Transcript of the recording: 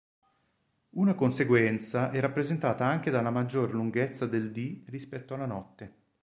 Una conseguenza è rappresentata anche dalla maggior lunghezza del dì rispetto alla notte.